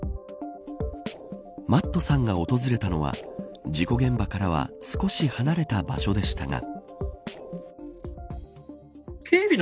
Ｍａｔｔさんが訪れたのは事故現場からは少し離れた場所でしたが。